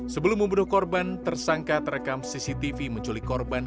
sebelum membunuh korban tersangka terekam cctv menculik korban